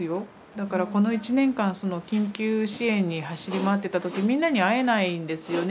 だからこの１年間緊急支援に走り回ってた時みんなに会えないんですよね。